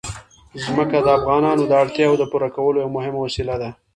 ځمکه د افغانانو د اړتیاوو د پوره کولو یوه مهمه وسیله ده.